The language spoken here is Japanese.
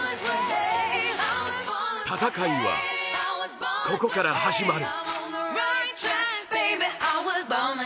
戦いはここから始まる。